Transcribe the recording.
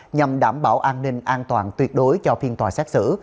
nhằm đảm bảo an ninh an toàn tuyệt đối cho phiên tòa xét xử